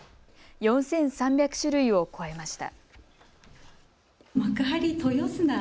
４３００種類を超えました。